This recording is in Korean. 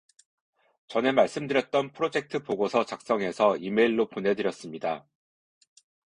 전에 말씀드렸던 프로젝트 보고서 작성해서 이메일로 보내 드렸습니다.